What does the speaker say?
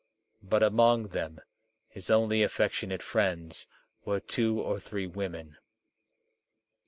But, among them, his only affectionate friends were two or three women.